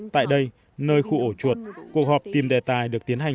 tại đây nơi khu ổ chuột cuộc họp tìm đề tài được tiến hành